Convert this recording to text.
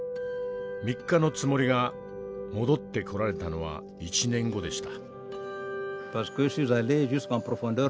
３日のつもりが戻ってこられたのは１年後でした。